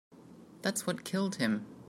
That's what killed him.